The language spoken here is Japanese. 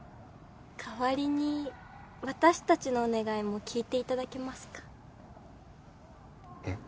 代わりに私達のお願いも聞いていただけますかえっ？